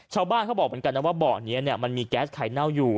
ชาวบ้านเขาบอกเหมือนกันนะว่าเบาะนี้มันมีแก๊สไข่เน่าอยู่